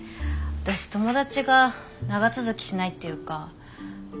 私友達が長続きしないっていうか。